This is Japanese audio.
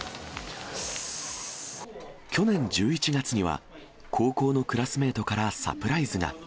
去年１１月には、高校のクラスメートからサプライズが。